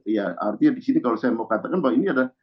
ya artinya disini kalau saya mau katakan bahwa ini ada